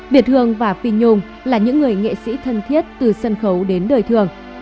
việt hương và phi nhung là những người nghệ sĩ thân thiết từ sân khấu đến đời thường